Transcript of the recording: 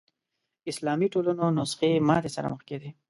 اسلامي ټولنو نسخې ماتې سره مخ کېدې